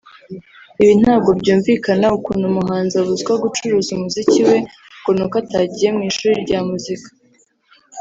“Ibi ntabwo byumvikana ukuntu umuhanzi abuzwa gucuruza umuziki we ngo ni uko atagiye mu ishuri rya muzika